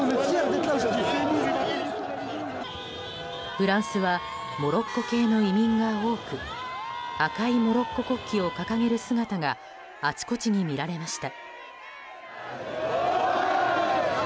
フランスはモロッコ系の移民が多く赤いモロッコ国旗を掲げる姿があちこちに見られました。